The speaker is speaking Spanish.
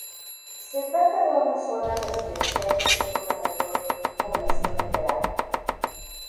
Se trata de una zona residencial que tiene una mayor población en verano.